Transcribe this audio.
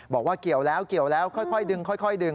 บอกว่าเกี่ยวแล้วเกี่ยวแล้วค่อยดึงค่อยดึง